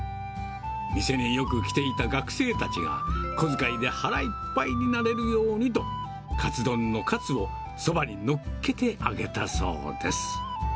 店によく来ていた学生たちが、小遣いで腹いっぱいになれるようにと、かつ丼のかつをそばにのっけてあげたそうです。